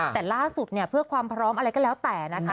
แต่ล่าสุดเนี่ยเพื่อความพร้อมอะไรก็แล้วแต่นะคะ